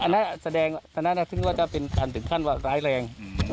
อันนั้นแสดงอันนั้นแสดงว่าจะเป็นการถึงท่านว่าร้ายแรงอืม